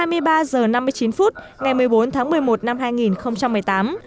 ngày một mươi bốn tháng một mươi một năm hai nghìn một mươi tám